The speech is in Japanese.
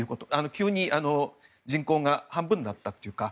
急に人口が半分になったとか